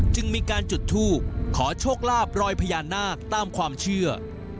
จึงมีการจุดทูบขอโชคลาบรอยพญานาคตามความเชื่อ